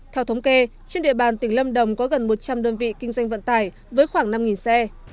theo thống kê trên địa bàn tỉnh lâm đồng có gần một trăm linh đơn vị kinh doanh vận tải với khoảng năm xe